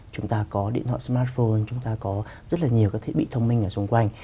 chúng ta có điện thoại smartphone chúng ta có rất là nhiều các thiết bị thông minh ở xung quanh